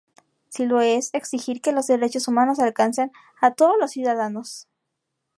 Si lo es, exigir, que los derechos humanos alcancen a todos los ciudadanos.